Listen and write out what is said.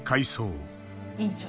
院長